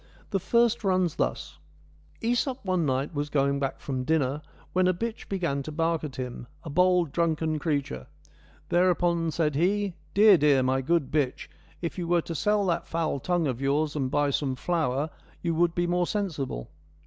The first runs thus : JEsop one night was going back from dinner, when a bitch began to bark at him, a bold, drunken creature. Thereupon said he :' Dear, dear ! my good bitch, if you were'to'sell that foul tongue of yours and buy some flour, you would|be more sensible.'